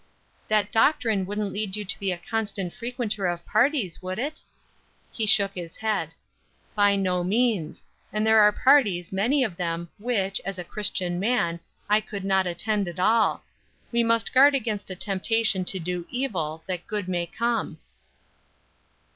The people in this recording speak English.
"That doctrine wouldn't lead you to be a constant frequenter of parties, would it?" He shook his head. "By no means. And there are parties many of them, which, as a Christian man, I could not attend at all. We must guard against a temptation to do evil, that good may come."